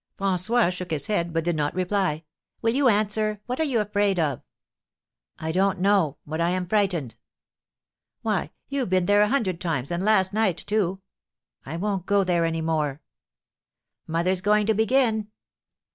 François shook his head, but did not reply. "Will you answer? What are you afraid of?" "I don't know. But I am frightened." "Why, you've been there a hundred times, and last night, too." "I won't go there any more." "Mother's going to begin."